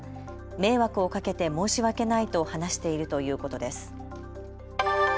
迷惑をかけて申し訳ないと話しているということです。